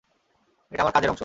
এটা আমার কাজের অংশ।